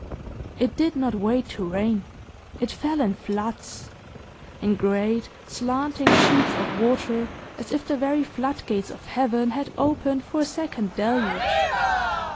It did not wait to rain; it fell in floods in great, slanting sheets of water, an is the very floodgates of heaven had opened for a second deluge.